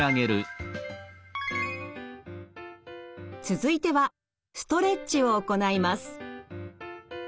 続いてはストレッチを行います。